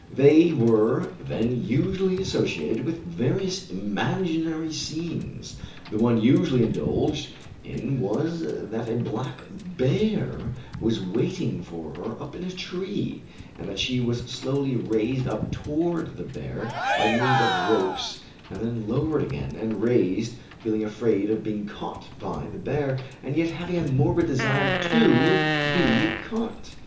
They were then usually associated with various imaginary scenes. The one usually indulged in was that a black bear was waiting for her up in a tree, and that she was slowly raised up toward the bear by means of ropes and then lowered again, and raised, feeling afraid of being caught by the bear, and yet having a morbid desire to be caught.